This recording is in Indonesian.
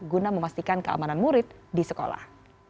guna memastikan keamanan murid di sekolah